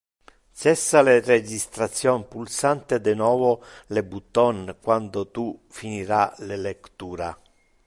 Cessa le registration pulsante de novo le button, quando tu finira le lectura.